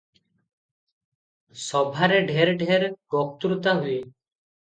ସଭାରେ ଢେର ଢେର ବକ୍ତ୍ରୁତା ହୁଏ ।